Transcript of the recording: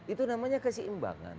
itu namanya keseimbangan